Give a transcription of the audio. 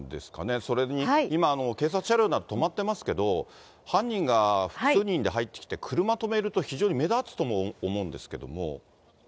それに今、警察車両が止まってますけど、犯人が複数人で入ってきて車止めると、非常に目立つとも思うんですけれども。